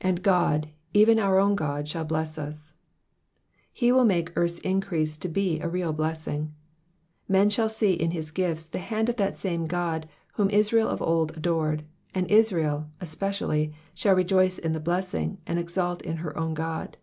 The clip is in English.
And God, ecen our men God, shall hless t/«." He will make earth's increase to be a real blessing. Men shall see in his gifts the hand of that same Qod whom Israel of old adored, and Israel, especially, shall rejoice in the blessing, and exult in her own God.